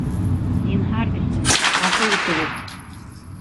Зинһар өсөн, ғәфү итегеҙ!